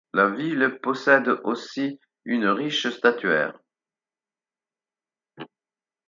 La ville possède aussi une riche statuaire.